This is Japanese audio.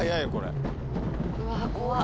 うわ怖っ。